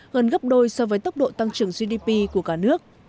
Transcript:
gần gấp đôi so với tốc độ tăng trưởng gdp của cả nước